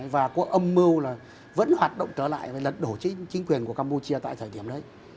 và có âm mưu là vẫn hoạt động trở lại và lật đổ chính quyền của campuchia tại thời điểm đấy